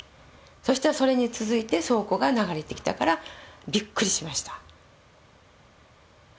そうしたらそれに続いて倉庫が流れてきたからびっくりしました。